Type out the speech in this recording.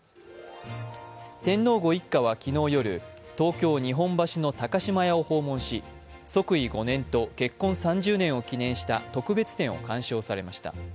天皇ご一家は昨日夜東京・日本橋の高島屋を訪問し、即位５年と結婚３０年を記念した特別展を鑑賞されました。